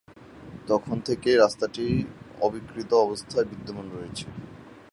তখন থেকেই রাস্তাটি অবিকৃত অবস্থায় বিদ্যমান রয়েছে।